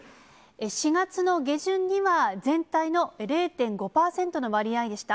４月の下旬には全体の０．５％の割合でした。